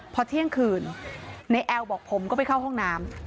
พอเที่ยงคืนในแอลบอกผมก็ไปเข้าห้องน้ำ